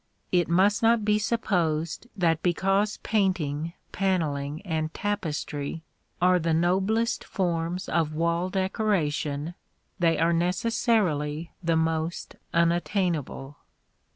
It must not be supposed that because painting, panelling and tapestry are the noblest forms of wall decoration, they are necessarily the most unattainable.